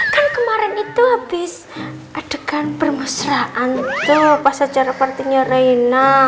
kan kemarin habis adegan permusraan tuh pas acara partinya rena